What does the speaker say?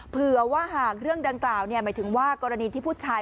เผื่อว่าหากเรื่องดังกล่าวหมายถึงว่ากรณีที่ผู้ชาย